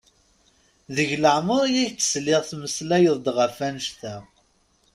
Deg leɛmer i ak-d-sliɣ temmmeslayeḍ-d ɣef wannect-a!